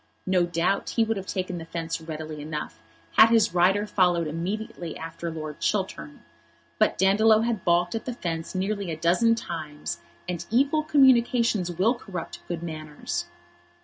No doubt he would have taken the fence readily enough had his rider followed immediately after Lord Chiltern; but Dandolo had baulked at the fence nearly a dozen times, and evil communications will corrupt good manners.